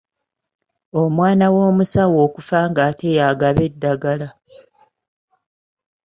Omwana w’omusawo okufa ng’ate y’agaba eddagala.